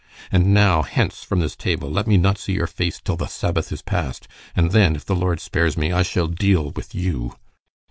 And now, hence from this table. Let me not see your face till the Sabbath is past, and then, if the Lord spares me, I shall deal with you."